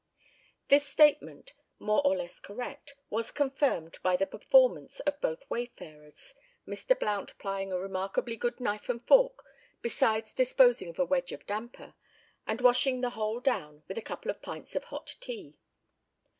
This statement, more or less correct, was confirmed by the performance of both wayfarers, Mr. Blount plying a remarkably good knife and fork, besides disposing of a wedge of damper, and washing the whole down with a couple of pints of hot tea.